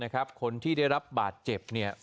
คนที่ได้รับบาดเจ็บ